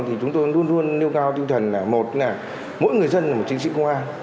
thì chúng tôi luôn luôn nêu cao tinh thần là một là mỗi người dân là một chiến sĩ công an